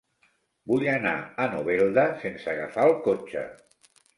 Vull anar a Novelda sense agafar el cotxe.